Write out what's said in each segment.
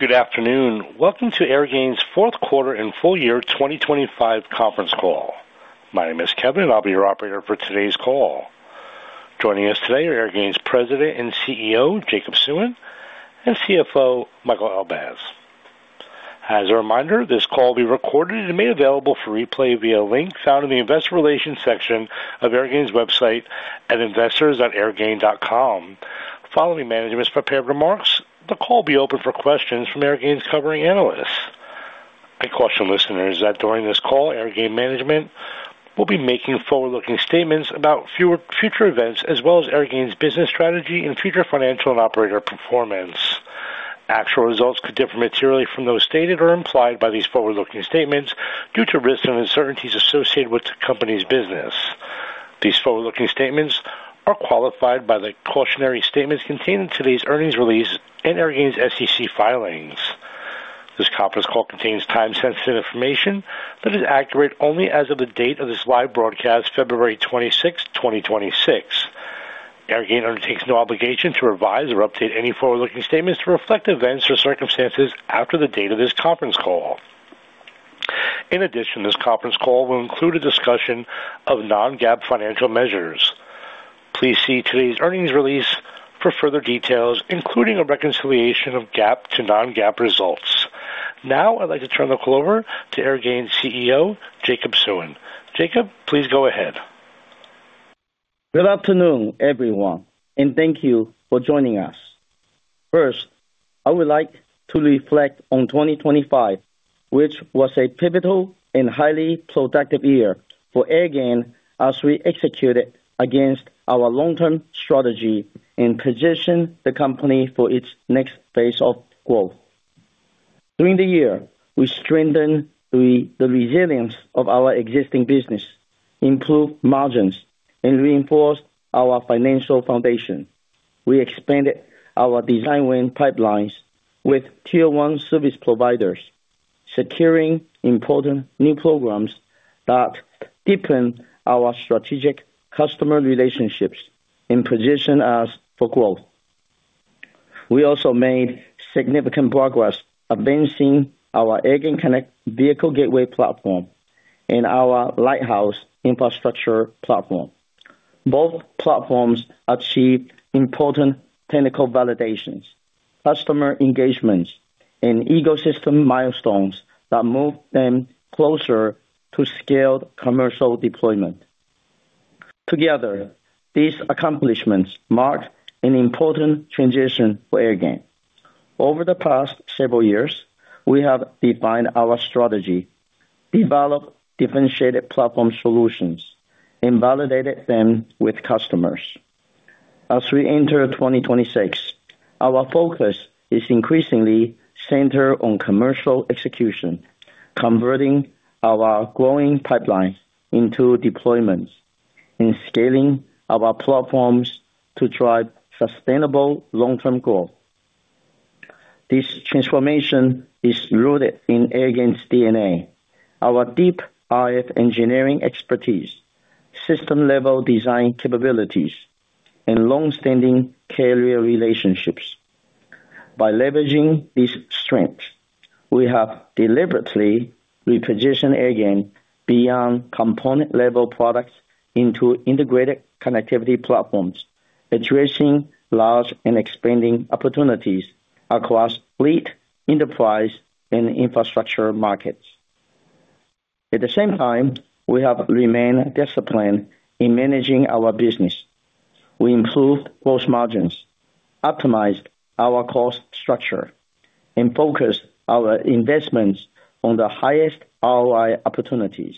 Good afternoon. Welcome to Airgain's fourth quarter and full year 2025 conference call. My name is Kevin, I'll be your operator for today's call. Joining us today are Airgain's President and CEO, Jacob Suen, and CFO, Michael Elbaz. As a reminder, this call will be recorded and made available for replay via a link found in the investor relations section of Airgain's website at investors.airgain.com. Following management's prepared remarks, the call will be open for questions from Airgain's covering analysts. I caution listeners that during this call, Airgain management will be making forward-looking statements about future events as well as Airgain's business strategy and future financial and operator performance. Actual results could differ materially from those stated or implied by these forward-looking statements due to risks and uncertainties associated with the company's business. These forward-looking statements are qualified by the cautionary statements contained in today's earnings release and Airgain's SEC filings. This conference call contains time-sensitive information that is accurate only as of the date of this live broadcast, February 26, 2026. Airgain undertakes no obligation to revise or update any forward-looking statements to reflect events or circumstances after the date of this conference call. This conference call will include a discussion of non-GAAP financial measures. Please see today's earnings release for further details, including a reconciliation of GAAP to non-GAAP results. I'd like to turn the call over to Airgain's CEO, Jacob Suen. Jacob, please go ahead. Good afternoon, everyone, and thank you for joining us. First, I would like to reflect on 2025, which was a pivotal and highly productive year for Airgain as we executed against our long-term strategy and positioned the company for its next phase of growth. During the year, we strengthened the resilience of our existing business, improved margins, and reinforced our financial foundation. We expanded our design win pipelines with Tier-1 service providers, securing important new programs that deepen our strategic customer relationships and position us for growth. We also made significant progress advancing our AirgainConnect vehicle gateway platform and our Lighthouse infrastructure platform. Both platforms achieved important technical validations, customer engagements, and ecosystem milestones that moved them closer to scaled commercial deployment. Together, these accomplishments mark an important transition for Airgain. Over the past several years, we have defined our strategy, developed differentiated platform solutions, and validated them with customers. As we enter 2026, our focus is increasingly centered on commercial execution, converting our growing pipeline into deployments and scaling our platforms to drive sustainable long-term growth. This transformation is rooted in Airgain's DNA, our deep RF engineering expertise, system-level design capabilities, and long-standing carrier relationships. By leveraging these strengths, we have deliberately repositioned Airgain beyond component-level products into integrated connectivity platforms, addressing large and expanding opportunities across fleet, enterprise, and infrastructure markets. At the same time, we have remained disciplined in managing our business. We improved gross margins, optimized our cost structure, and focused our investments on the highest ROI opportunities.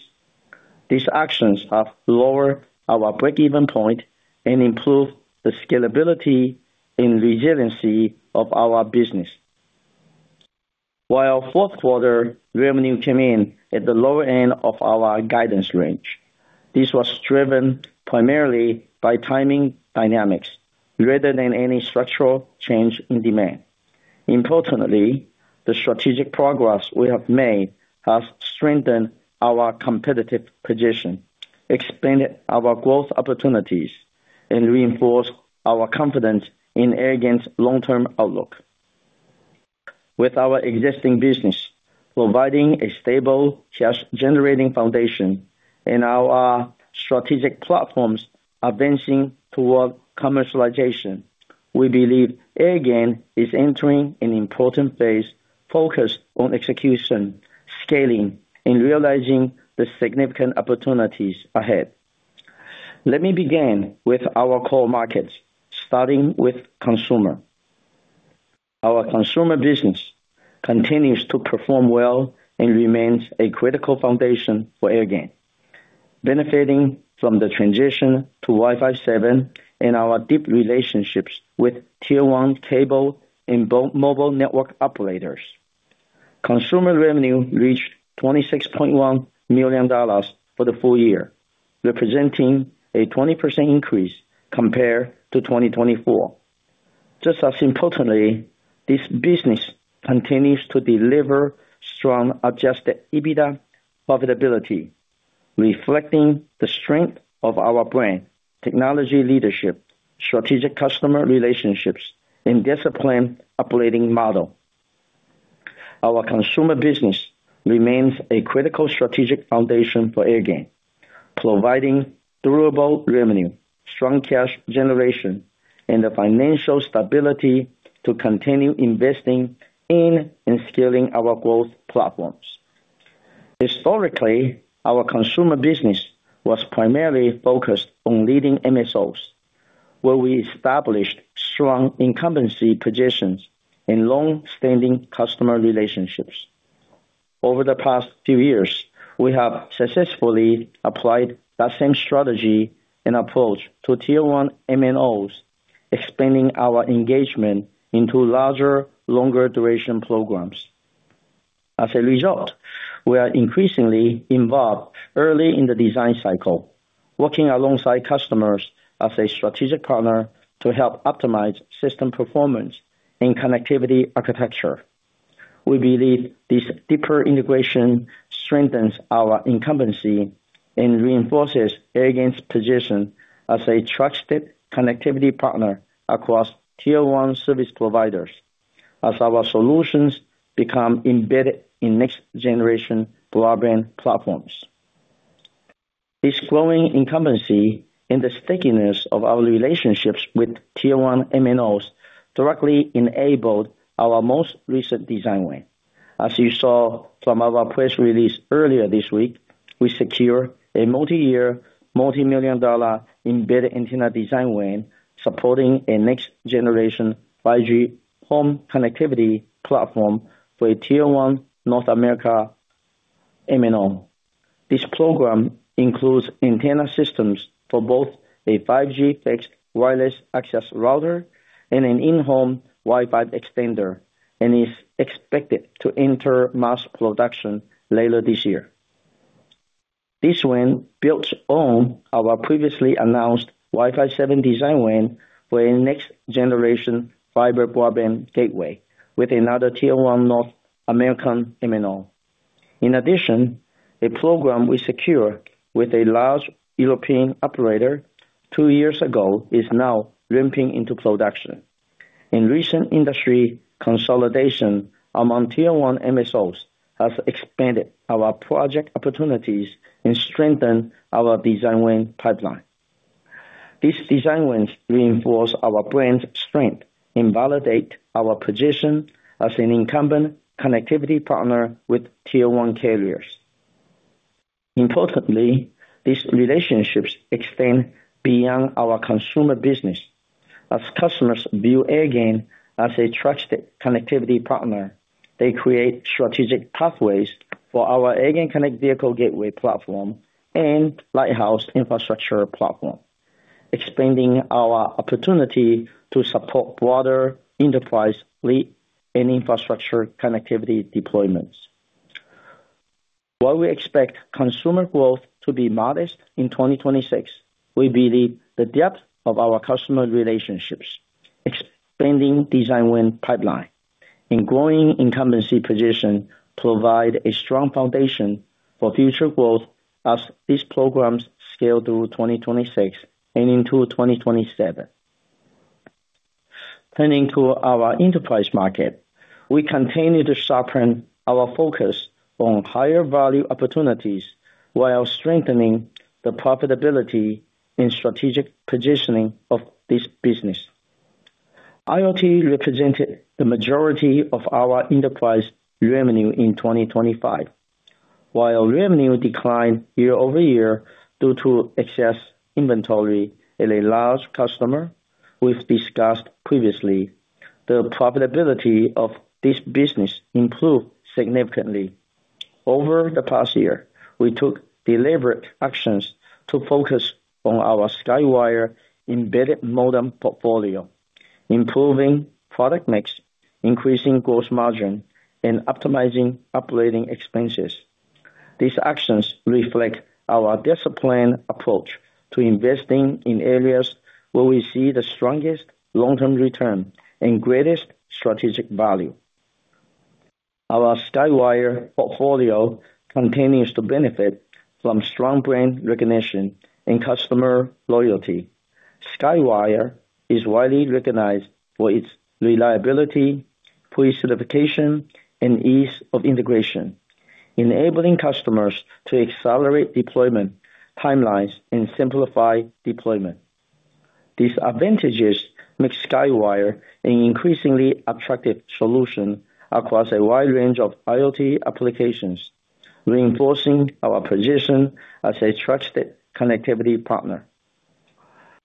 These actions have lowered our break-even point and improved the scalability and resiliency of our business. While fourth quarter revenue came in at the lower end of our guidance range, this was driven primarily by timing dynamics rather than any structural change in demand. Importantly, the strategic progress we have made has strengthened our competitive position, expanded our growth opportunities, and reinforced our confidence in Airgain's long-term outlook. With our existing business providing a stable cash-generating foundation and our strategic platforms advancing toward commercialization, we believe Airgain is entering an important phase focused on execution, scaling, and realizing the significant opportunities ahead. Let me begin with our core markets, starting with consumer. Our consumer business continues to perform well and remains a critical foundation for Airgain, benefiting from the transition to Wi-Fi 7 and our deep relationships with Tier-1 cable and mobile network operators. Consumer revenue reached $26.1 million for the full year, representing a 20% increase compared to 2024. Just as importantly, this business continues to deliver strong Adjusted EBITDA profitability. Reflecting the strength of our brand, technology leadership, strategic customer relationships, and disciplined operating model. Our consumer business remains a critical strategic foundation for Airgain, providing durable revenue, strong cash generation, and the financial stability to continue investing in and scaling our growth platforms. Historically, our consumer business was primarily focused on leading MSOs, where we established strong incumbency positions and long-standing customer relationships. Over the past few years, we have successfully applied that same strategy and approach to Tier-1 MNOs, expanding our engagement into larger, longer duration programs. As a result, we are increasingly involved early in the design cycle, working alongside customers as a strategic partner to help optimize system performance and connectivity architecture. We believe this deeper integration strengthens our incumbency and reinforces Airgain's position as a trusted connectivity partner across Tier-1 service providers as our solutions become embedded in next-generation broadband platforms. This growing incumbency and the stickiness of our relationships with Tier-1 MNOs directly enabled our most recent design win. As you saw from our press release earlier this week, we secure a multi-year, multi-million dollar embedded antenna design win supporting a next generation 5G home connectivity platform for a Tier-1 North America MNO. This program includes antenna systems for both a 5G-fixed wireless access router and an in-home Wi-Fi extender, and is expected to enter mass production later this year. This win builds on our previously announced Wi-Fi 7 design win for a next generation fiber broadband gateway with another Tier-1 North American MNO. In addition, a program we secured with a large European operator two years ago is now ramping into production. In recent industry consolidation, our Tier-1 MSOs has expanded our project opportunities and strengthened our design win pipeline. These design wins reinforce our brand strength and validate our position as an incumbent connectivity partner with Tier-1 carriers. Importantly, these relationships extend beyond our consumer business. As customers view Airgain as a trusted connectivity partner, they create strategic pathways for our AirgainConnect Vehicle Gateway platform and Lighthouse Infrastructure platform, expanding our opportunity to support broader enterprise fleet and infrastructure connectivity deployments. While we expect consumer growth to be modest in 2026, we believe the depth of our customer relationships, expanding design win pipeline, and growing incumbency position provide a strong foundation for future growth as these programs scale through 2026 and into 2027. Turning to our enterprise market, we continue to sharpen our focus on higher value opportunities while strengthening the profitability and strategic positioning of this business. IoT represented the majority of our enterprise revenue in 2025. While revenue declined year-over-year due to excess inventory in a large customer we've discussed previously, the profitability of this business improved significantly. Over the past year, we took deliberate actions to focus on our Skywire embedded modem portfolio, improving product mix, increasing gross margin, and optimizing operating expenses. These actions reflect our disciplined approach to investing in areas where we see the strongest long-term return and greatest strategic value. Our Skywire portfolio continues to benefit from strong brand recognition and customer loyalty. Skywire is widely recognized for its reliability, full certification, and ease of integration, enabling customers to accelerate deployment timelines and simplify deployment. These advantages make Skywire an increasingly attractive solution across a wide range of IoT applications, reinforcing our position as a trusted connectivity partner.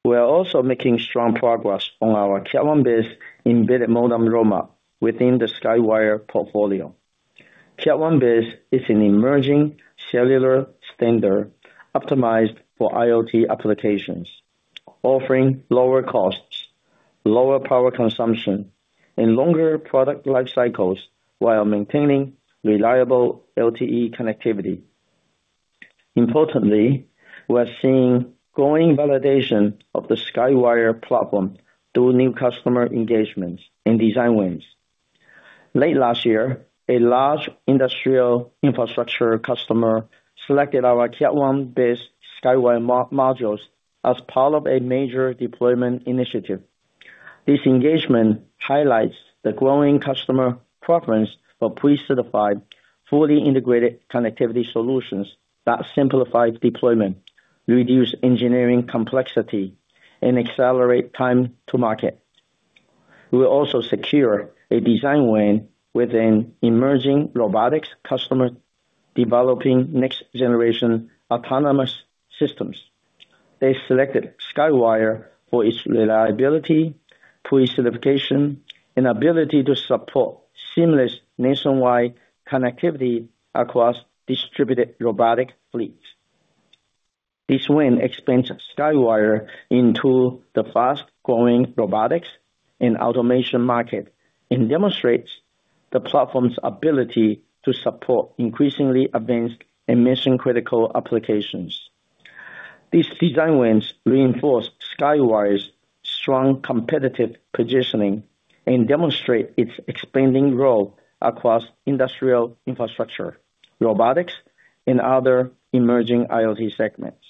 We are also making strong progress on our Cat 1 bis embedded modem ROMA within the Skywire portfolio. Cat 1 bis is an emerging cellular standard optimized for IoT applications, offering lower costs, lower power consumption, and longer product life cycles while maintaining reliable LTE connectivity. Importantly, we are seeing growing validation of the Skywire platform through new customer engagements and design wins. Late last year, a large industrial infrastructure customer selected our Cat 1 bis Skywire modules as part of a major deployment initiative. This engagement highlights the growing customer preference for pre-certified, fully integrated connectivity solutions that simplify deployment, reduce engineering complexity and accelerate time to market. We will also secure a design win with an emerging robotics customer developing next generation autonomous systems. They selected Skywire for its reliability, pre-certification and ability to support seamless nationwide connectivity across distributed robotic fleets. This win expands Skywire into the fast-growing robotics and automation market and demonstrates the platform's ability to support increasingly advanced and mission-critical applications. These design wins reinforce Skywire's strong competitive positioning and demonstrate its expanding role across industrial infrastructure, robotics and other emerging IoT segments.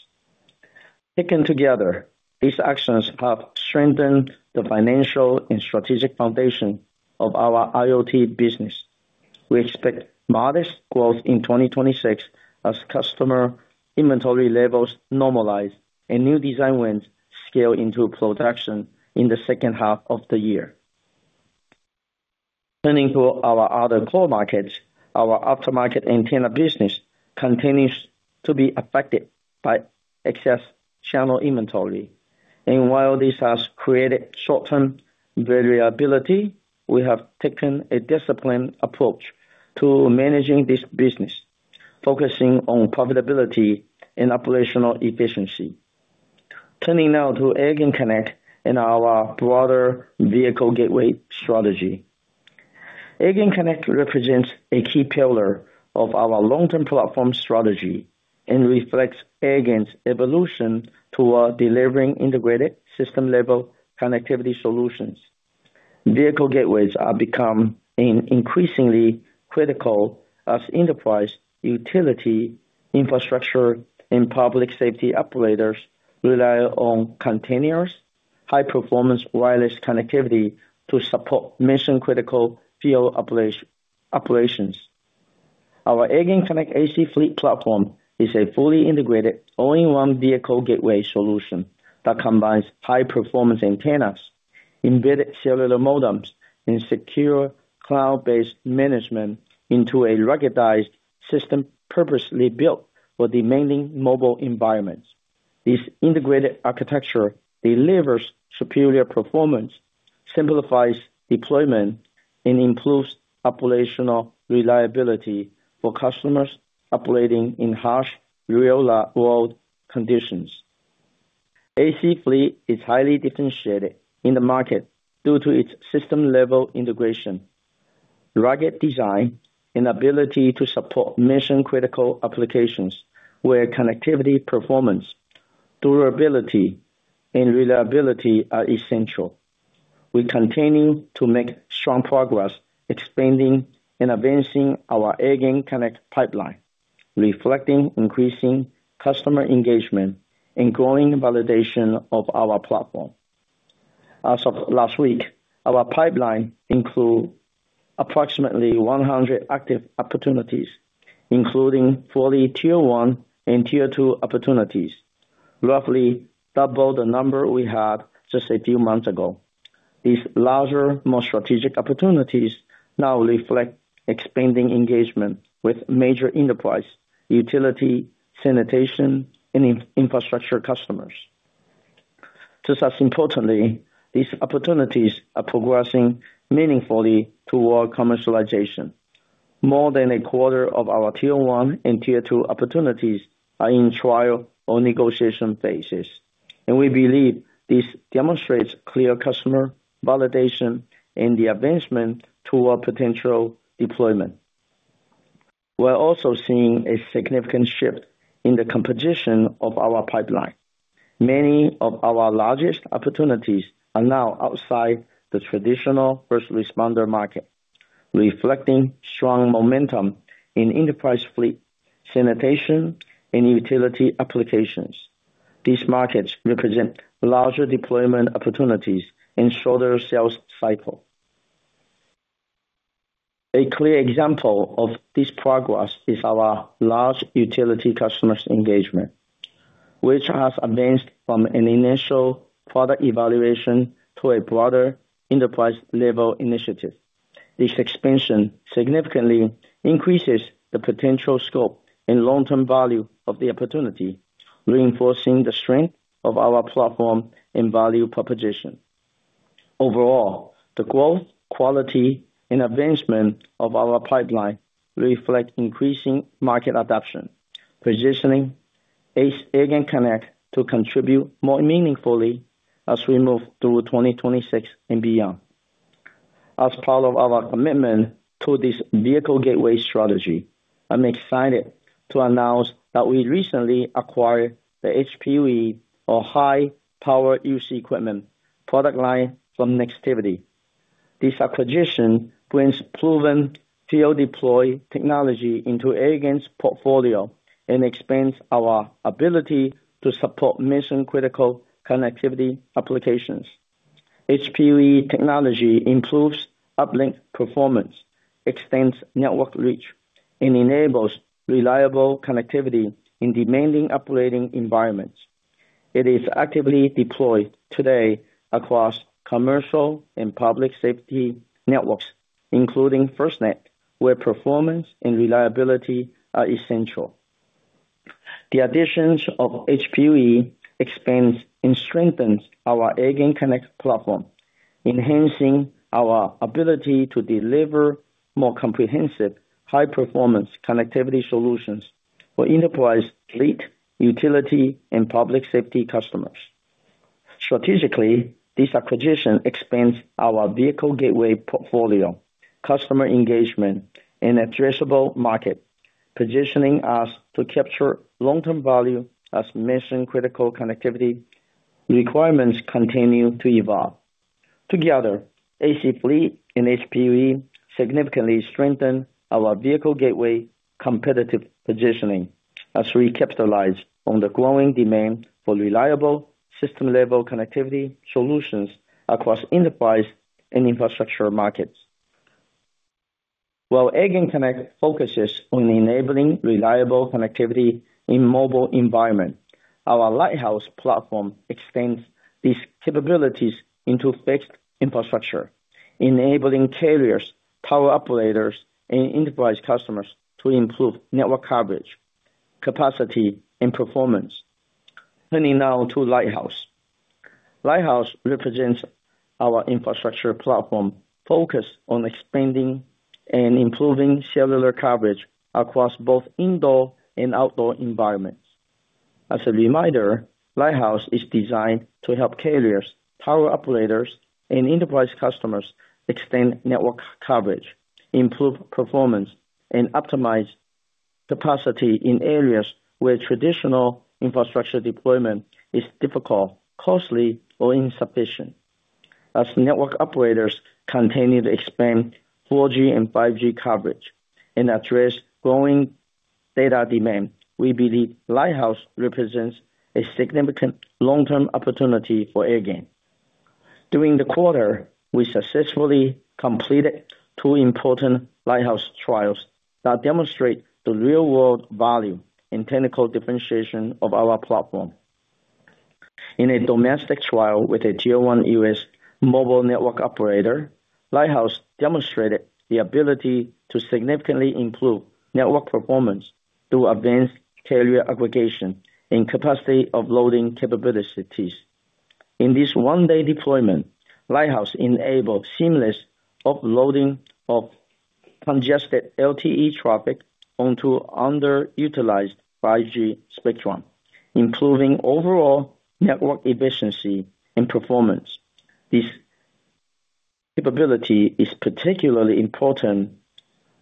Taken together, these actions have strengthened the financial and strategic foundation of our IoT business. We expect modest growth in 2026 as customer inventory levels normalize and new design wins scale into production in the second half of the year. Turning to our other core markets. Our aftermarket antenna business continues to be affected by excess channel inventory. While this has created short-term variability, we have taken a disciplined approach to managing this business, focusing on profitability and operational efficiency. Turning now to AirgainConnect and our broader vehicle gateway strategy. AirgainConnect represents a key pillar of our long-term platform strategy and reflects Airgain's evolution toward delivering integrated system-level connectivity solutions. Vehicle gateways are become an increasingly critical as enterprise utility infrastructure and public safety operators rely on continuous high-performance wireless connectivity to support mission-critical field operations. Our AirgainConnect AC-Fleet platform is a fully integrated all-in-one vehicle gateway solution that combines high performance antennas, embedded cellular modems and secure cloud-based management into a ruggedized system purposely built for demanding mobile environments. This integrated architecture delivers superior performance, simplifies deployment and improves operational reliability for customers operating in harsh real-world conditions. AC-Fleet is highly differentiated in the market due to its system-level integration, rugged design, and ability to support mission-critical applications where connectivity, performance, durability and reliability are essential. We're continuing to make strong progress expanding and advancing our AirgainConnect pipeline, reflecting increasing customer engagement and growing validation of our platform. As of last week, our pipeline include approximately 100 active opportunities, including 40 Tier-1 and Tier-2 opportunities, roughly double the number we had just a few months ago. These larger, more strategic opportunities now reflect expanding engagement with major enterprise, utility, sanitation and infrastructure customers. Just as importantly, these opportunities are progressing meaningfully toward commercialization. More than a quarter of our Tier-1 and Tier-2 opportunities are in trial or negotiation phases, and we believe this demonstrates clear customer validation and the advancement toward potential deployment. We're also seeing a significant shift in the composition of our pipeline. Many of our largest opportunities are now outside the traditional first responder market, reflecting strong momentum in enterprise fleet, sanitation and utility applications. These markets represent larger deployment opportunities and shorter sales cycle. A clear example of this progress is our large utility customers engagement, which has advanced from an initial product evaluation to a broader enterprise-level initiative. This expansion significantly increases the potential scope and long-term value of the opportunity, reinforcing the strength of our platform and value proposition. Overall, the growth, quality and advancement of our pipeline reflect increasing market adoption, positioning AirgainConnect to contribute more meaningfully as we move through 2026 and beyond. As part of our commitment to this vehicle gateway strategy. I'm excited to announce that we recently acquired the HPUE or High Power User Equipment product line from Nextivity. This acquisition brings proven field deploy technology into Airgain's portfolio and expands our ability to support mission-critical connectivity applications. HPUE technology improves uplink performance, extends network reach, and enables reliable connectivity in demanding operating environments. It is actively deployed today across commercial and public safety networks, including FirstNet, where performance and reliability are essential. The additions of HPUE expands and strengthens our AirgainConnect platform, enhancing our ability to deliver more comprehensive high-performance connectivity solutions for enterprise fleet, utility, and public safety customers. Strategically, this acquisition expands our vehicle gateway portfolio, customer engagement, and addressable market, positioning us to capture long-term value as mission-critical connectivity requirements continue to evolve. Together, AC-Fleet and HPUE significantly strengthen our vehicle gateway competitive positioning as we capitalize on the growing demand for reliable system-level connectivity solutions across enterprise and infrastructure markets. While AirgainConnect focuses on enabling reliable connectivity in mobile environment, our Lighthouse platform extends these capabilities into fixed infrastructure, enabling carriers, tower operators, and enterprise customers to improve network coverage, capacity, and performance. Turning now to Lighthouse. Lighthouse represents our infrastructure platform focused on expanding and improving cellular coverage across both indoor and outdoor environments. As a reminder, Lighthouse is designed to help carriers, tower operators, and enterprise customers extend network coverage, improve performance, and optimize capacity in areas where traditional infrastructure deployment is difficult, costly, or insufficient. As network operators continue to expand 4G and 5G coverage and address growing data demand, we believe Lighthouse represents a significant long-term opportunity for Airgain. During the quarter, we successfully completed two important Lighthouse trials that demonstrate the real-world value and technical differentiation of our platform. In a domestic trial with a Tier-1 U.S. mobile network operator, Lighthouse demonstrated the ability to significantly improve network performance through advanced carrier aggregation and capacity of loading capabilities. In this one-day deployment, Lighthouse enabled seamless offloading of congested LTE traffic onto underutilized 5G spectrum, improving overall network efficiency and performance. This capability is particularly important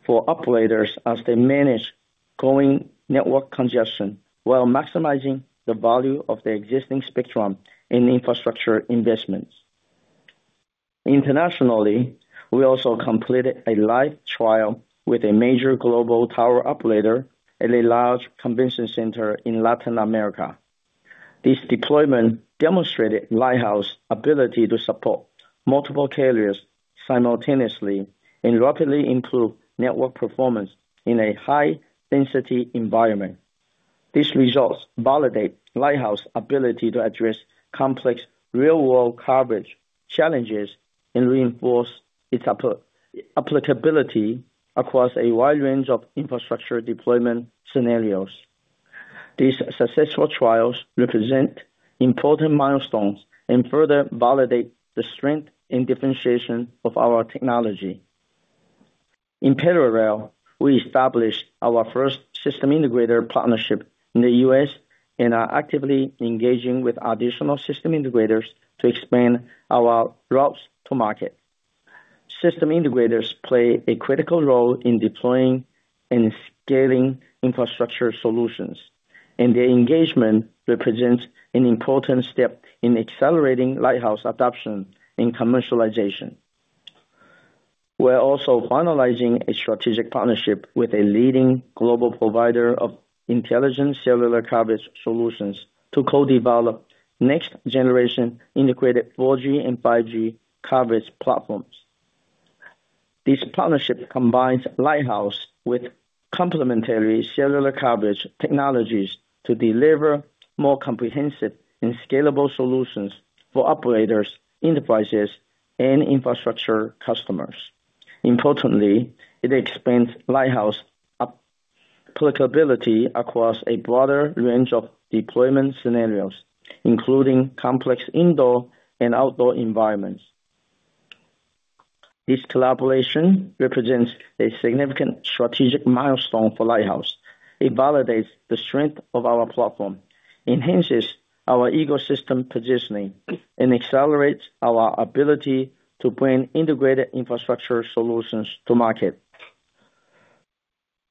for operators as they manage growing network congestion while maximizing the value of their existing spectrum and infrastructure investments. Internationally, we also completed a live trial with a major global tower operator at a large convention center in Latin America. This deployment demonstrated Lighthouse's ability to support multiple carriers simultaneously and rapidly improve network performance in a high-density environment. These results validate Lighthouse's ability to address complex real-world coverage challenges and reinforce its applicability across a wide range of infrastructure deployment scenarios. These successful trials represent important milestones and further validate the strength and differentiation of our technology. In parallel, we established our first system integrator partnership in the U.S. and are actively engaging with additional system integrators to expand our routes to market. System integrators play a critical role in deploying and scaling infrastructure solutions. Their engagement represents an important step in accelerating Lighthouse adoption and commercialization. We're also finalizing a strategic partnership with a leading global provider of intelligent cellular coverage solutions to co-develop next generation integrated 4G and 5G coverage platforms. This partnership combines Lighthouse with complementary cellular coverage technologies to deliver more comprehensive and scalable solutions for operators, enterprises, and infrastructure customers. Importantly, it expands Lighthouse app-applicability across a broader range of deployment scenarios, including complex indoor and outdoor environments. This collaboration represents a significant strategic milestone for Lighthouse. It validates the strength of our platform, enhances our ecosystem positioning, and accelerates our ability to bring integrated infrastructure solutions to market.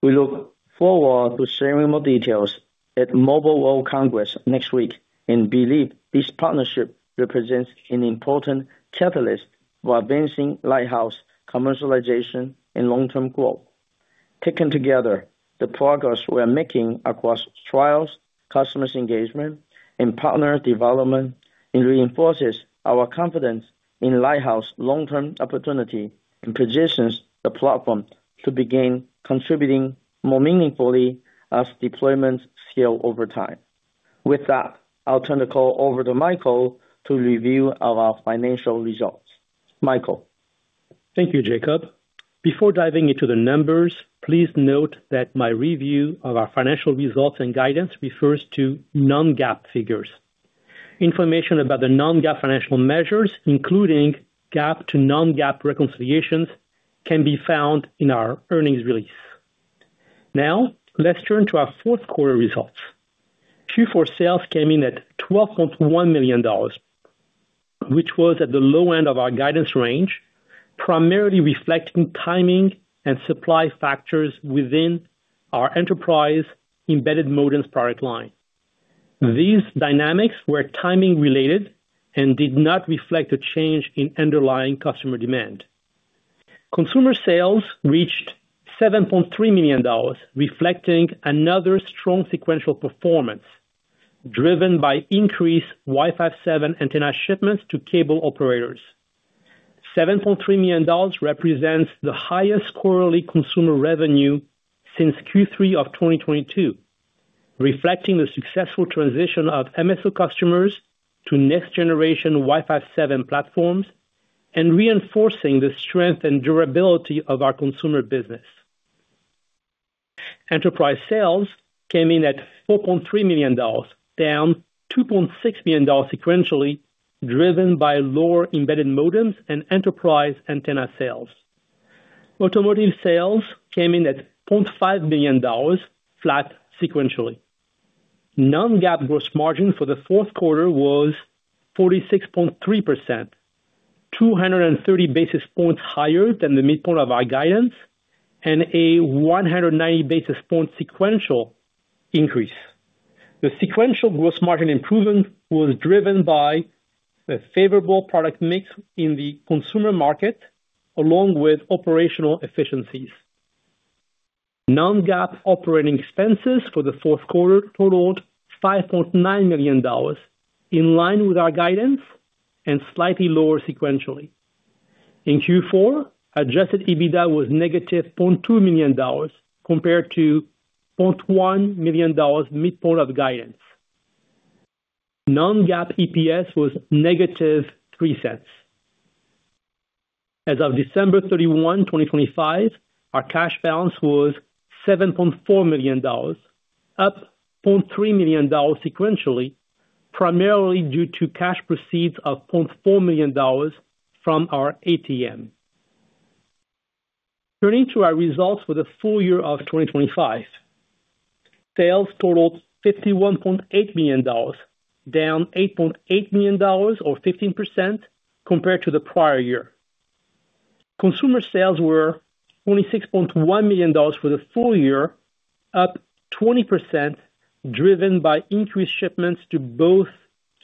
We look forward to sharing more details at Mobile World Congress next week and believe this partnership represents an important catalyst for advancing Lighthouse commercialization and long-term growth. Taken together, the progress we're making across trials, customers engagement, and partner development, it reinforces our confidence in Lighthouse long-term opportunity and positions the platform to begin contributing more meaningfully as deployments scale over time. With that, I'll turn the call over to Michael to review our financial results. Michael? Thank you, Jacob. Before diving into the numbers, please note that my review of our financial results and guidance refers to non-GAAP figures. Information about the non-GAAP financial measures, including GAAP to non-GAAP reconciliations, can be found in our earnings release. Let's turn to our fourth quarter results. Q4 sales came in at $12.1 million, which was at the low end of our guidance range, primarily reflecting timing and supply factors within our enterprise embedded modems product line. These dynamics were timing related and did not reflect a change in underlying customer demand. Consumer sales reached $7.3 million, reflecting another strong sequential performance driven by increased Wi-Fi 7 antenna shipments to cable operators. $7.3 million represents the highest quarterly consumer revenue since Q3 of 2022, reflecting the successful transition of MSO customers to next generation Wi-Fi 7 platforms and reinforcing the strength and durability of our consumer business. Enterprise sales came in at $4.3 million, down $2.6 million sequentially, driven by lower embedded modems and enterprise antenna sales. Automotive sales came in at $0.5 million, flat sequentially. non-GAAP gross margin for the fourth quarter was 46.3%, 230 basis points higher than the midpoint of our guidance and a 190 basis point sequential increase. The sequential gross margin improvement was driven by a favorable product mix in the consumer market along with operational efficiencies. Non-GAAP operating expenses for the fourth quarter totaled $5.9 million, in line with our guidance and slightly lower sequentially. In Q4, Adjusted EBITDA was -$0.2 million compared to $0.1 million midpoint of guidance. Non-GAAP EPS was -$0.03. As of December 31, 2025, our cash balance was $7.4 million, up $0.3 million sequentially, primarily due to cash proceeds of $0.4 million from our ATM. Turning to our results for the full year of 2025. Sales totaled $51.8 million, down $8.8 million or 15% compared to the prior year. Consumer sales were $26.1 million for the full year, up 20%, driven by increased shipments to both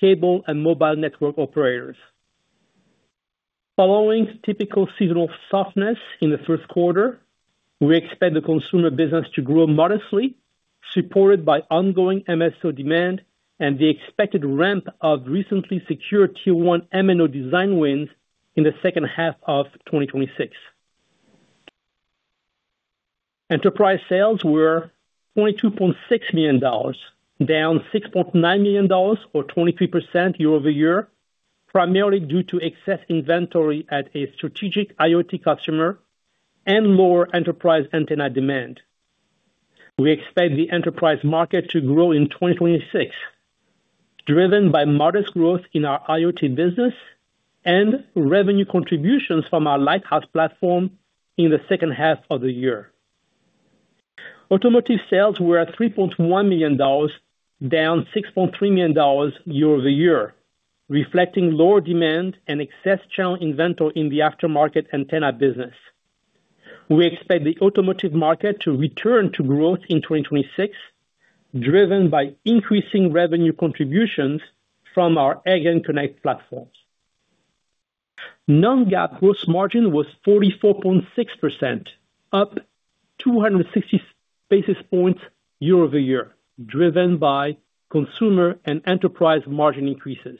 cable and mobile network operators. Following typical seasonal softness in the first quarter, we expect the consumer business to grow modestly, supported by ongoing MSO demand and the expected ramp of recently secured Tier-1 MNO design wins in the second half of 2026. Enterprise sales were $22.6 million, down $6.9 million or 23% year-over-year, primarily due to excess inventory at a strategic IoT customer and lower enterprise antenna demand. We expect the enterprise market to grow in 2026, driven by modest growth in our IoT business and revenue contributions from our Lighthouse platform in the second half of the year. Automotive sales were at $3.1 million, down $6.3 million year-over-year, reflecting lower demand and excess channel inventory in the aftermarket antenna business. We expect the automotive market to return to growth in 2026, driven by increasing revenue contributions from our AirgainConnect platform. non-GAAP gross margin was 44.6%, up 260 basis points year-over-year, driven by consumer and enterprise margin increases.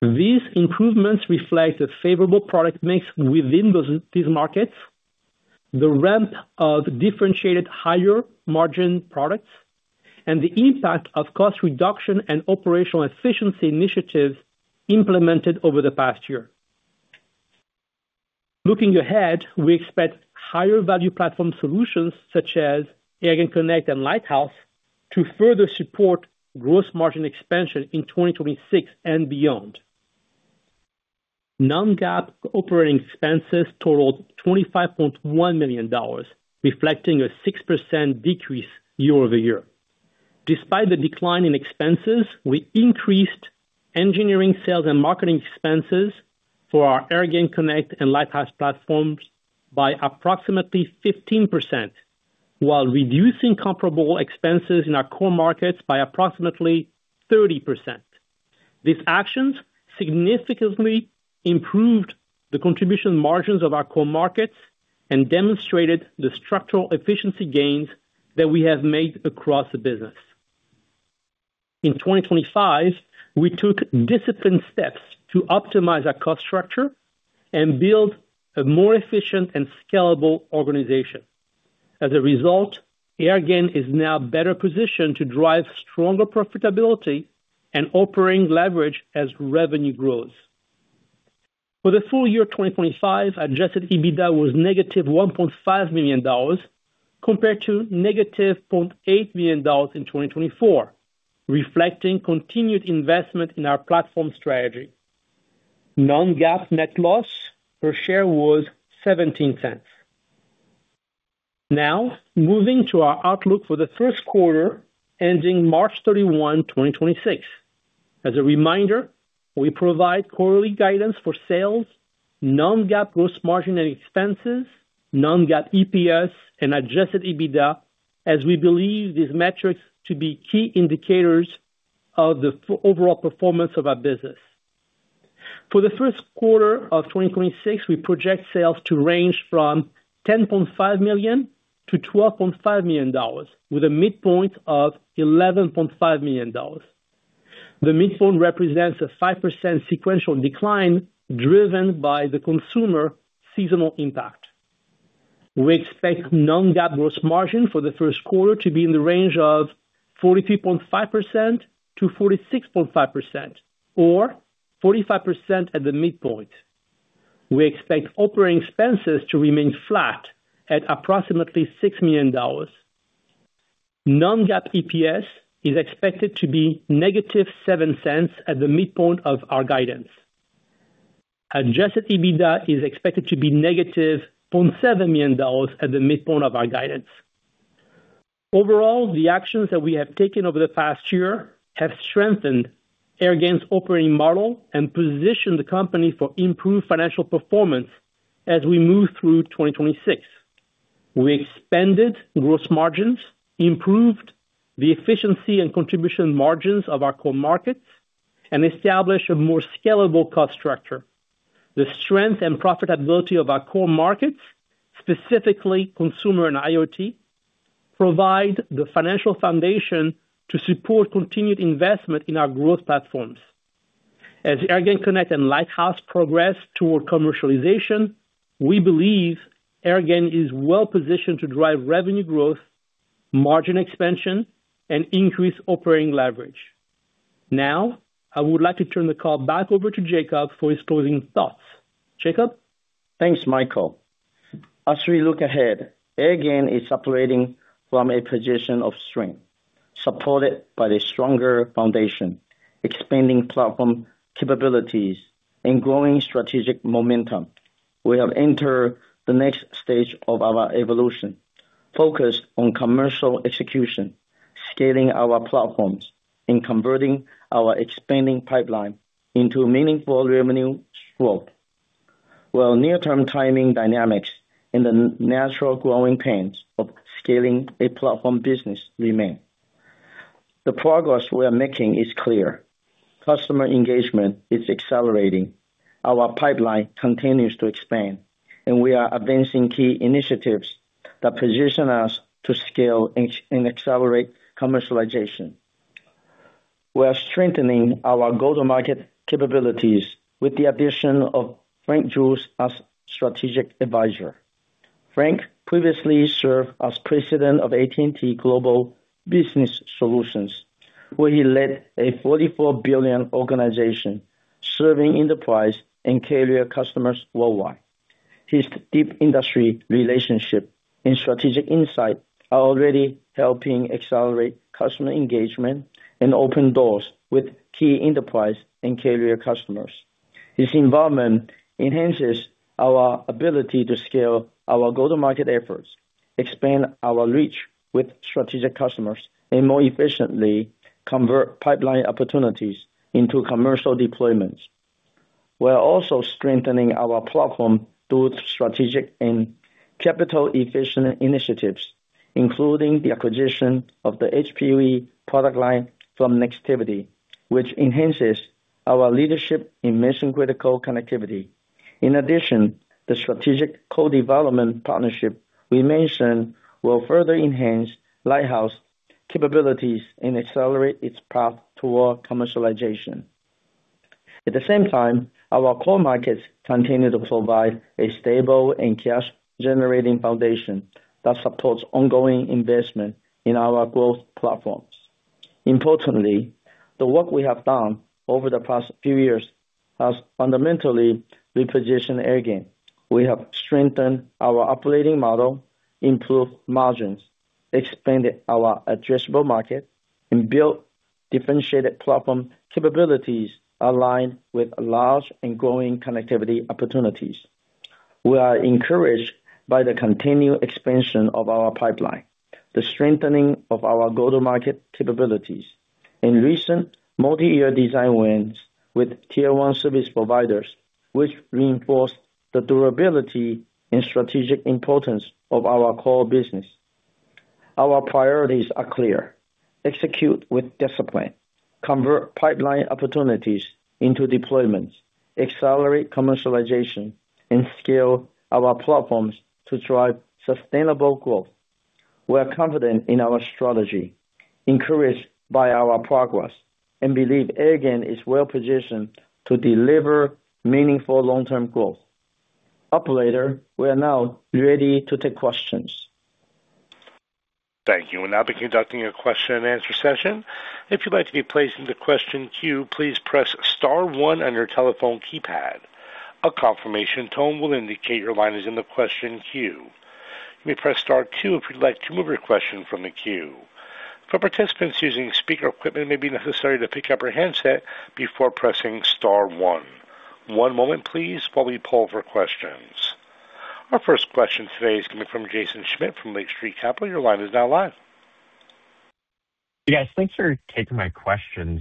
These improvements reflect a favorable product mix within these markets, the ramp of differentiated higher margin products, and the impact of cost reduction and operational efficiency initiatives implemented over the past year. Looking ahead, we expect higher value platform solutions such as AirgainConnect and Lighthouse to further support gross margin expansion in 2026 and beyond. Non-GAAP operating expenses totaled $25.1 million, reflecting a 6% decrease year-over-year. Despite the decline in expenses, we increased engineering sales and marketing expenses for our AirgainConnect and Lighthouse platforms by approximately 15%, while reducing comparable expenses in our core markets by approximately 30%. These actions significantly improved the contribution margins of our core markets and demonstrated the structural efficiency gains that we have made across the business. In 2025, we took disciplined steps to optimize our cost structure and build a more efficient and scalable organization. As a result, Airgain is now better positioned to drive stronger profitability and operating leverage as revenue grows. For the full year 2025, Adjusted EBITDA was -$1.5 million compared to -$0.8 million in 2024, reflecting continued investment in our platform strategy. non-GAAP net loss per share was $0.17. Moving to our outlook for the first quarter ending March 31, 2026. As a reminder, we provide quarterly guidance for sales, non-GAAP gross margin and expenses, non-GAAP EPS, and Adjusted EBITDA, as we believe these metrics to be key indicators of the overall performance of our business. For the first quarter of 2026, we project sales to range from $10.5 million-$12.5 million, with a midpoint of $11.5 million. The midpoint represents a 5% sequential decline driven by the consumer seasonal impact. We expect non-GAAP gross margin for the first quarter to be in the range of 43.5%-46.5% or 45% at the midpoint. We expect operating expenses to remain flat at approximately $6 million. Non-GAAP EPS is expected to be -$0.07 at the midpoint of our guidance. Adjusted EBITDA is expected to be -$0.7 million at the midpoint of our guidance. The actions that we have taken over the past year have strengthened Airgain's operating model and positioned the company for improved financial performance as we move through 2026. We expanded gross margins, improved the efficiency and contribution margins of our core markets and established a more scalable cost structure. The strength and profitability of our core markets, specifically consumer and IoT, provide the financial foundation to support continued investment in our growth platforms. As AirgainConnect and Lighthouse progress toward commercialization, we believe Airgain is well-positioned to drive revenue growth, margin expansion and increase operating leverage. I would like to turn the call back over to Jacob for his closing thoughts. Jacob? Thanks, Michael. As we look ahead, Airgain is operating from a position of strength, supported by the stronger foundation, expanding platform capabilities and growing strategic momentum. We have entered the next stage of our evolution focused on commercial execution, scaling our platforms and converting our expanding pipeline into meaningful revenue growth. While near-term timing dynamics and the natural growing pains of scaling a platform business remain, the progress we are making is clear. Customer engagement is accelerating. Our pipeline continues to expand. We are advancing key initiatives that position us to scale and accelerate commercialization. We are strengthening our go-to-market capabilities with the addition of Frank Jules as strategic advisor. Frank previously served as President of AT&T Global Business Solutions, where he led a $44 billion organization serving enterprise and carrier customers worldwide. His deep industry relationship and strategic insight are already helping accelerate customer engagement and open doors with key enterprise and carrier customers. His involvement enhances our ability to scale our go-to-market efforts, expand our reach with strategic customers, and more efficiently convert pipeline opportunities into commercial deployments. We are also strengthening our platform through strategic and capital-efficient initiatives, including the acquisition of the HPUE product line from Nextivity, which enhances our leadership in mission-critical connectivity. In addition, the strategic co-development partnership we mentioned will further enhance Lighthouse capabilities and accelerate its path toward commercialization. At the same time, our core markets continue to provide a stable and cash-generating foundation that supports ongoing investment in our growth platforms. Importantly, the work we have done over the past few years has fundamentally repositioned Airgain. We have strengthened our operating model, improved margins, expanded our addressable market and built differentiated platform capabilities aligned with large and growing connectivity opportunities. We are encouraged by the continued expansion of our pipeline, the strengthening of our go-to-market capabilities, and recent multi-year design wins with Tier-1 service providers, which reinforce the durability and strategic importance of our core business. Our priorities are clear. Execute with discipline, convert pipeline opportunities into deployments, accelerate commercialization, and scale our platforms to drive sustainable growth. We are confident in our strategy, encouraged by our progress, and believe Airgain is well-positioned to deliver meaningful long-term growth. Operator, we are now ready to take questions. Thank you. We'll now be conducting a question and answer session. If you'd like to be placed in the question queue, please press star one on your telephone keypad. A confirmation tone will indicate your line is in the question queue. You may press star two if you'd like to remove your question from the queue. For participants using speaker equipment, it may be necessary to pick up your handset before pressing star one. One moment please while we poll for questions. Our first question today is coming from Jaeson Schmidt from Lake Street Capital. Your line is now live. Yes, thanks for taking my questions.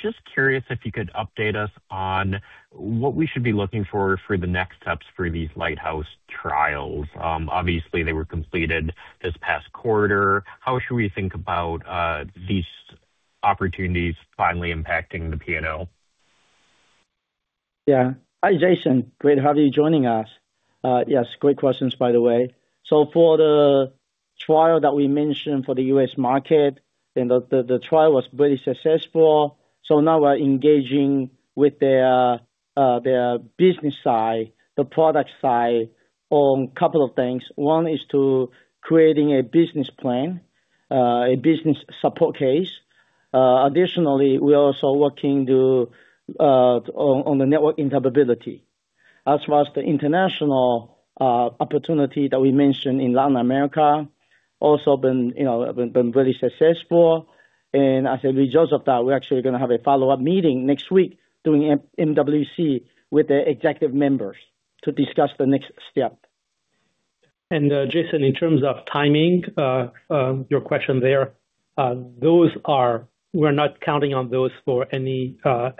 Just curious if you could update us on what we should be looking for the next steps for these Lighthouse trials? Obviously they were completed this past quarter. How should we think about these opportunities finally impacting the P&L? Hi, Jaeson. Great having you joining us. Yes, great questions by the way. For the trial that we mentioned for the U.S. market, the trial was very successful. Now we're engaging with their business side, the product side on couple of things. One is to creating a business plan, a business support case. Additionally, we're also working to on the network interoperability. As well as the international opportunity that we mentioned in Latin America, also been, you know, been very successful. As a result of that, we're actually gonna have a follow-up meeting next week during MWC with the executive members to discuss the next step. Jaeson, in terms of timing, your question there, we're not counting on those for any FY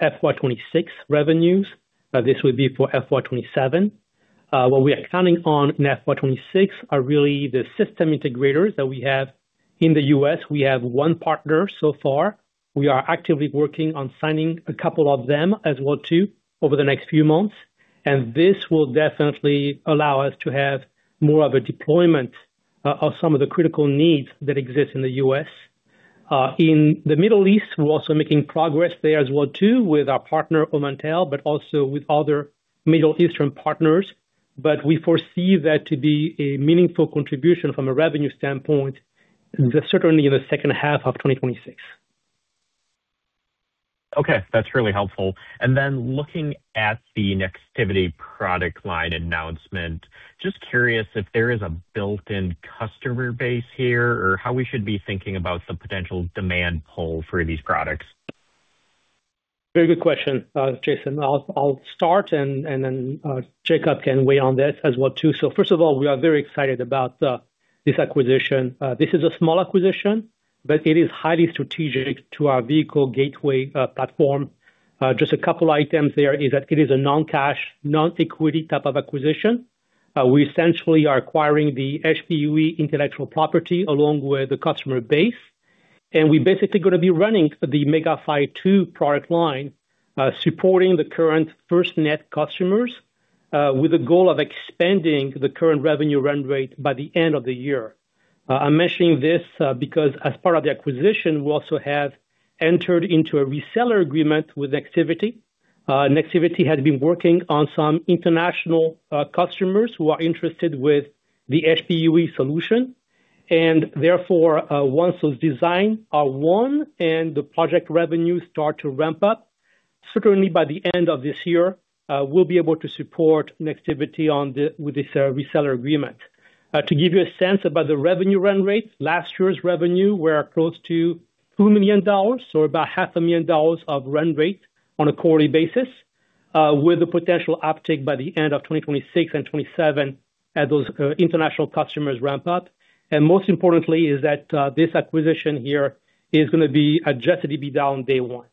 2026 revenues. This would be for FY 2027. What we are counting on in FY 2026 are really the system integrators that we have in the U.S. We have one partner so far. We are actively working on signing a couple of them as well too, over the next few months, and this will definitely allow us to have more of a deployment of some of the critical needs that exist in the U.S. In the Middle East, we're also making progress there as well too, with our partner, Omantel, but also with other Middle Eastern partners. We foresee that to be a meaningful contribution from a revenue standpoint, just certainly in the second half of 2026. Okay. That's really helpful. Looking at the Nextivity product line announcement, just curious if there is a built-in customer base here or how we should be thinking about the potential demand pull for these products? Very good question, Jaeson. I'll start and then, Jacob can weigh on this as well too. First of all, we are very excited about this acquisition. This is a small acquisition, but it is highly strategic to our vehicle gateway platform. Just a couple items there is that it is a non-cash, non-equity type of acquisition. We essentially are acquiring the HPUE intellectual property along with the customer base, and we basically gonna be running the MegaFi 2 product line, supporting the current FirstNet customers, with the goal of expanding the current revenue run rate by the end of the year. I'm mentioning this, because as part of the acquisition, we also have entered into a reseller agreement with Nextivity. Nextivity has been working on some international customers who are interested with the HPUE solution. Therefore, once those design are won and the project revenues start to ramp up, certainly by the end of this year, we'll be able to support Nextivity with this reseller agreement. To give you a sense about the revenue run rate, last year's revenue were close to $2 million or about $500,000 of run rate on a quarterly basis, with a potential uptick by the end of 2026 and 2027 as those international customers ramp up. Most importantly is that, this acquisition here is gonna be Adjusted EBITDA on day one.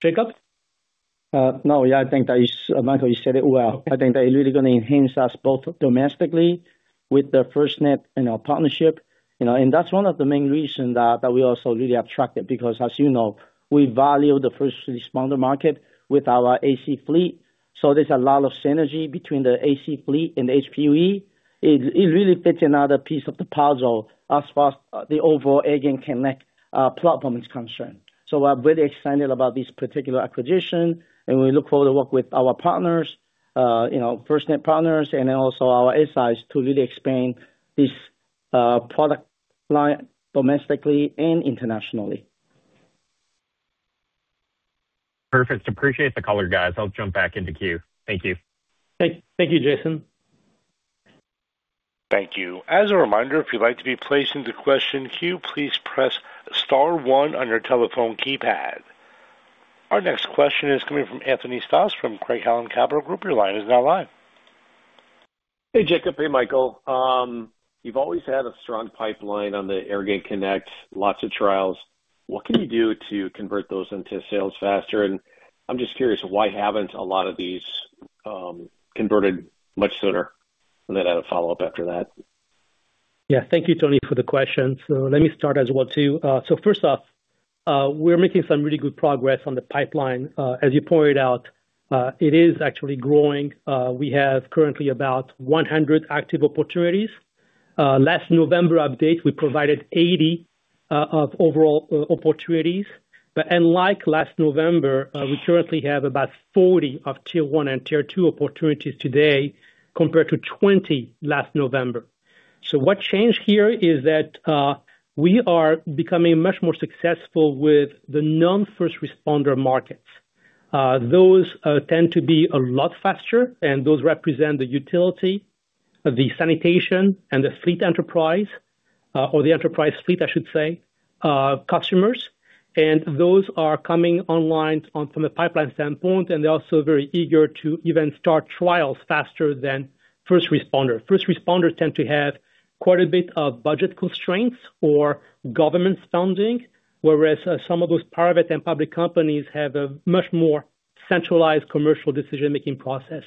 Jacob? No, yeah, I think that is Michael, you said it well. I think that is really gonna enhance us both domestically with the FirstNet, you know, partnership, you know. That's one of the main reasons that we also really attracted, because as you know, we value the first responder market with our AC-Fleet. There's a lot of synergy between the AC-Fleet and HPUE. It really fits another piece of the puzzle as far as the overall AirgainConnect platform is concerned. We're very excited about this particular acquisition, and we look forward to work with our partners, you know, FirstNet partners and then also our in size to really expand this product line domestically and internationally. Perfect. Appreciate the color, guys. I'll jump back into queue. Thank you. Thank you, Jaeson. Thank you. As a reminder, if you'd like to be placed into question queue, please press star one on your telephone keypad. Our next question is coming from Anthony Stoss from Craig-Hallum Capital Group. Your line is now live. Hey, Jacob. Hey, Michael. You've always had a strong pipeline on the AirgainConnect, lots of trials. What can you do to convert those into sales faster? I'm just curious, why haven't a lot of these converted much sooner? I have a follow-up after that. Yeah. Thank you, Tony, for the question. Let me start as well, too. First off, we're making some really good progress on the pipeline. As you pointed out, it is actually growing. We have currently about 100 active opportunities. Last November update, we provided 80 of overall opportunities. Unlike last November, we currently have about 40 of Tier-1 and Tier-2 opportunities today, compared to 20 last November. What changed here is that we are becoming much more successful with the non-first responder markets. Those tend to be a lot faster, and those represent the utility of the sanitation and the fleet enterprise, or the enterprise fleet, I should say, customers. Those are coming online on from a pipeline standpoint, and they're also very eager to even start trials faster than first responder. First responders tend to have quite a bit of budget constraints or government funding, whereas, some of those private and public companies have a much more centralized commercial decision-making process.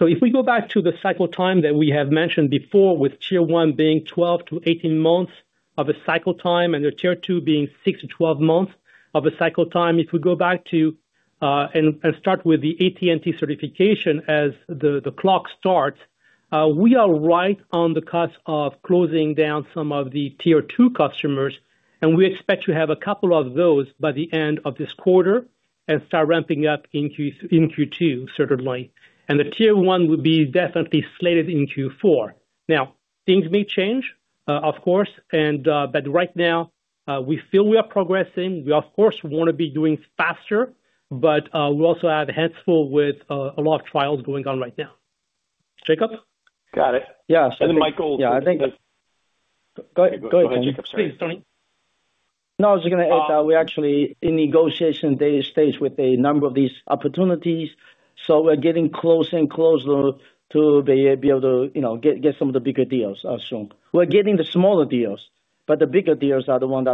If we go back to the cycle time that we have mentioned before, with Tier-1 being 12-18 months of a cycle time and the Tier-2 being 6-12 months of a cycle time, if we go back to and start with the AT&T certification as the clock starts, we are right on the cusp of closing down some of the Tier-2 customers, and we expect to have a couple of those by the end of this quarter and start ramping up in Q2, certainly. The Tier-1 would be definitely slated in Q4. Things may change, of course, and but right now, we feel we are progressing. We of course wanna be doing faster, but we also have a handful with a lot of trials going on right now. Jacob? Got it. Yeah. Michael- Go ahead, Tony. Sorry, Tony. I was gonna add that we're actually in negotiation data stage with a number of these opportunities. We're getting closer and closer to be able to, you know, get some of the bigger deals also. We're getting the smaller deals. The bigger deals are the ones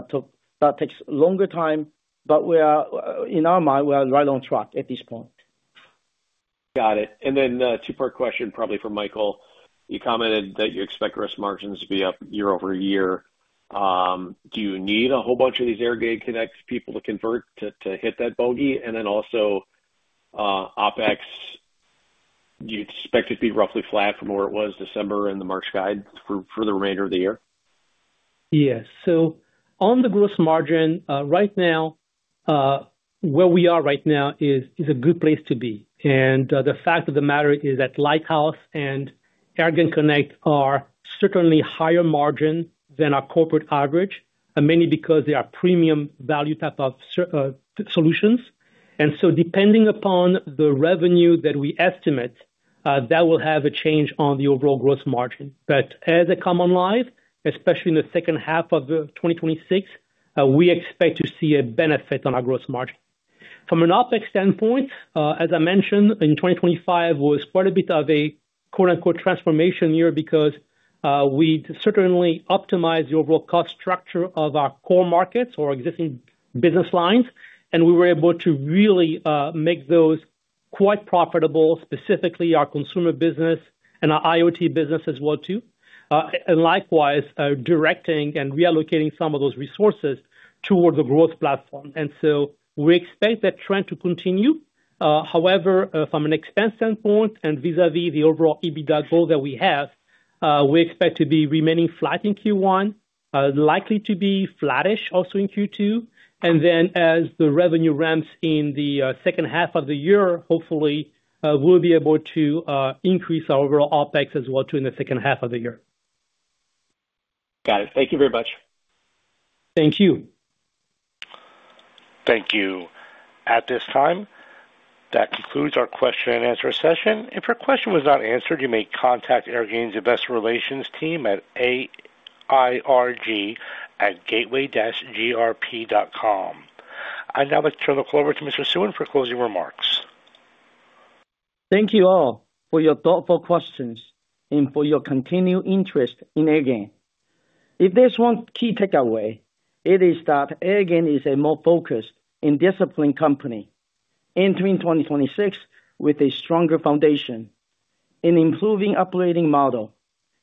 that takes longer time. We are, in our mind, we are right on track at this point. Got it. Two-part question probably for Michael. You commented that you expect gross margins to be up year-over-year. Do you need a whole bunch of these AirgainConnects people to convert to hit that bogey? Also, OpEx, do you expect it to be roughly flat from where it was December and the March guide for the remainder of the year? On the gross margin, right now, where we are right now is a good place to be. The fact of the matter is that Lighthouse and AirgainConnect are certainly higher margin than our corporate average, and mainly because they are premium value type of solutions. Depending upon the revenue that we estimate, that will have a change on the overall gross margin. As they come online, especially in the second half of 2026, we expect to see a benefit on our gross margin. From an OpEx standpoint, as I mentioned, in 2025 was quite a bit of a quote-unquote transformation year because we certainly optimized the overall cost structure of our core markets or existing business lines, and we were able to really make those quite profitable, specifically our consumer business and our IoT business as well too. Likewise, directing and reallocating some of those resources towards the growth platform. We expect that trend to continue. However, from an expense standpoint and vis-a-vis the overall EBITDA goal that we have, we expect to be remaining flat in Q1, likely to be flattish also in Q2. Then as the revenue ramps in the second half of the year, hopefully, we'll be able to increase our overall OpEx as well too in the second half of the year. Got it. Thank you very much. Thank you. Thank you. At this time, that concludes our question and answer session. If your question was not answered, you may contact Airgain's investor relations team at AIRG@gateway-grp.com. I'd now like to turn the call over to Mr. Suen for closing remarks. Thank you all for your thoughtful questions and for your continued interest in Airgain. If there's one key takeaway, it is that Airgain is a more focused and disciplined company entering 2026 with a stronger foundation, an improving operating model,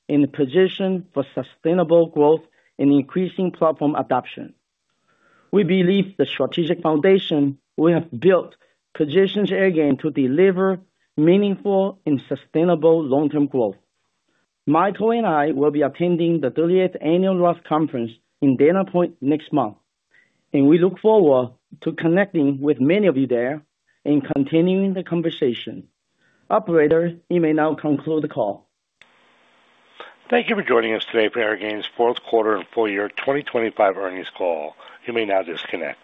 and a position for sustainable growth and increasing platform adoption. We believe the strategic foundation we have built positions Airgain to deliver meaningful and sustainable long-term growth. Michael and I will be attending the 30th Annual ROTH Conference in Dana Point next month, and we look forward to connecting with many of you there and continuing the conversation. Operator, you may now conclude the call. Thank you for joining us today for Airgain's fourth quarter and full year 2025 earnings call. You may now disconnect.